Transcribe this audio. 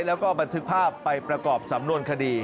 แล้วก็บันทึกภาพไปประกอบสำนวนคดี